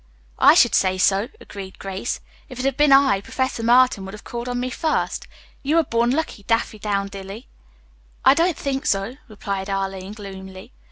"I should say so," agreed Grace. "If it had been I, Professor Martin would have called on me first. You were born lucky, Daffydowndilly." "I don't think so," replied Arline gloomily.